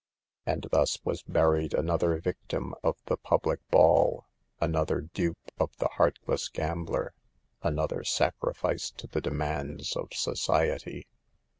And thus was buried another victim of the public ball, another dupe of the heartless gambler, another sacrifice to the demands of society.